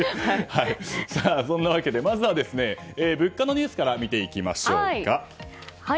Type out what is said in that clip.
そんなわけでまずは物価のニュースから見ていきましょう。